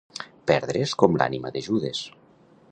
Perdre's com l'ànima de Judes.